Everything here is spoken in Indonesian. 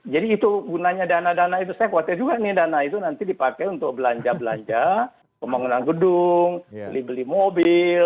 jadi itu gunanya dana dana itu saya khawatir juga nih dana itu nanti dipakai untuk belanja belanja pembangunan gedung beli beli mobil ya